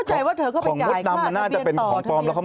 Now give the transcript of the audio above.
หลายปีเนอะ